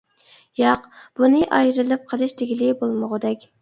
ياق، بۇنى ئايرىلىپ قېلىش دېگىلى بولمىغۇدەك.